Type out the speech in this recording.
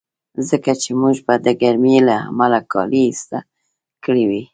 ځکه چې موږ به د ګرمۍ له امله کالي ایسته کړي وي.